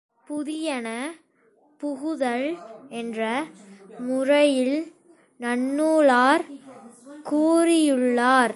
புதியன புகுதல் என்ற முறையில், நன்னூலார் கூறியுள்ளார்.